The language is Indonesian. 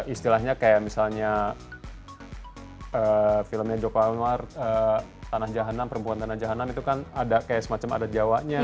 istilahnya kayak misalnya filmnya joko anwar tanah jahanam perempuan tanah jahanan itu kan ada kayak semacam ada jawanya